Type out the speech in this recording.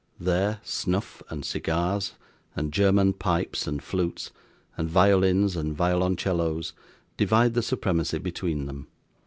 There, snuff and cigars, and German pipes and flutes, and violins and violoncellos, divide the supremacy between them.